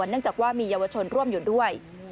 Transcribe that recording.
เนื่องจากว่ามีเยาวชนร่วมอยู่ด้วย